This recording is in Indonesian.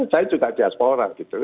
saya juga diaspora gitu